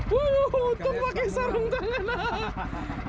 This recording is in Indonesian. wuh tuh pake sarung tangan